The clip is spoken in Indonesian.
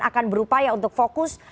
akan berupaya untuk fokus